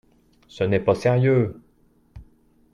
Ce n’est pas sérieux